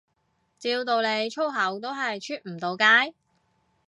照道理粗口都係出唔到街